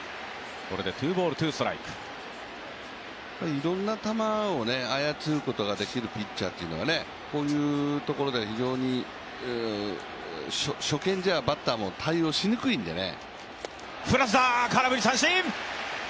いろんな球を操ることができるピッチャーっていうのはこういうところで非常に初見じゃバッターも対応しにくいんでね。